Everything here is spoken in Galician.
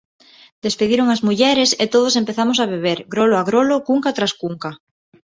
Despediron as mulleres, e todos empezamos a beber, grolo a grolo, cunca tras cunca.